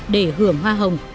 để hưởng hoa hồng